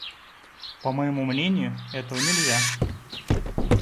По моему мнению, этого нельзя.